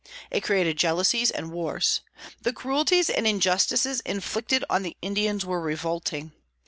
It created jealousies and wars. The cruelties and injustices inflicted on the Indians were revolting.